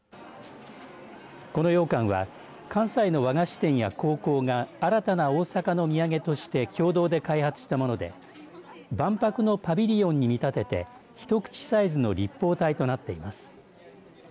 このようかんは関西の和菓子店や高校が新たな大阪の土産として共同で開発したもので万博のパビリオンに見立てて一口サイズの立方体となっています。